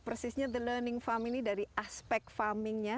persisnya the learning farm ini dari aspek farmingnya